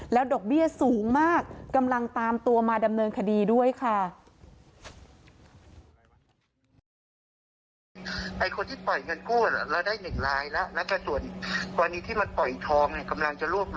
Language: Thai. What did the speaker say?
ดอกเบี้ยสูงมากกำลังตามตัวมาดำเนินคดีด้วยค่ะ